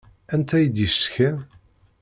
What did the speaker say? Anta i d-yecetkan?